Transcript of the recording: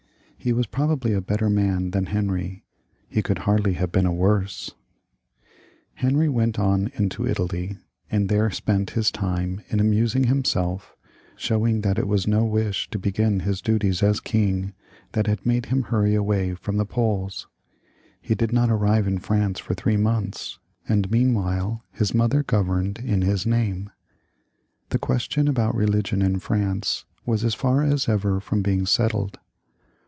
He was probably a better man than Henry ; he could hardly have been a worse. XXXIX.] HENRY IIL 285 Henry went on into Italy, and there spent his time in • amusing himself, showing that it was no wish to begin his duties as king that had made him hurry away from the Poles. He did not arrive in France for three months, and meanwhile his mother governed in his name. The question about religion in France was as far as ever from being settled.